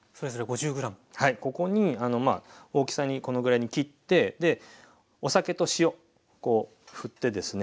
ここにまあ大きさにこのぐらいに切ってお酒と塩ふってですね